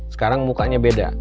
sekarang mukanya beda